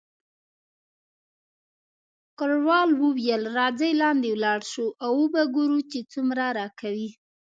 کراول وویل، راځئ لاندې ولاړ شو او وو به ګورو چې څومره راکوي.